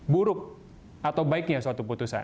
buruk atau baiknya suatu putusan